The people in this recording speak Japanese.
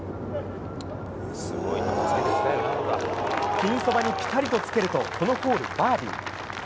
ピンそばにピタリとつけるとこのホール、バーディー。